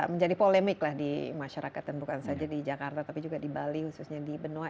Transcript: menjadi polemik lah di masyarakat dan bukan saja di jakarta tapi juga di bali khususnya di benoa